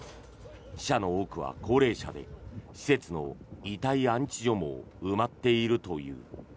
死者の多くは高齢者で施設の遺体安置所も埋まっているという。